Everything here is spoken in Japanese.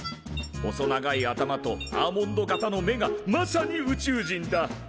細長い頭とアーモンド形の目がまさに宇宙人だ。